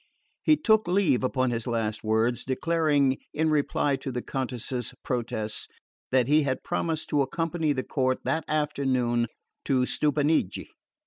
He took leave upon his last words, declaring, in reply to the Countess's protests, that he had promised to accompany the court that afternoon to Stupinigi.